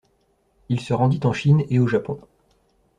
Il se rendit en Chine et au Japon.